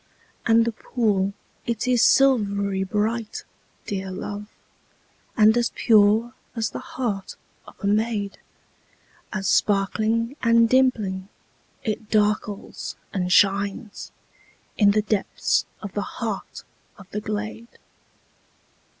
And the pool, it is silvery bright, dear love, And as pure as the heart of a maid, As sparkling and dimpling, it darkles and shines In the depths of the heart of the glade.